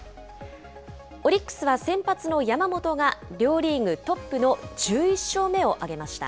オリックスは先発の山本が、両リーグトップの１１勝目を挙げました。